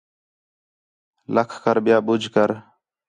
لَکھ کر ٻِیا ٻُجھ کر